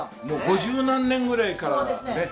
もう５０何年ぐらいからね。